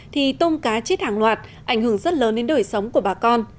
thì tôm cá chết hàng loạt ảnh hưởng rất lớn đến đời sống của bà con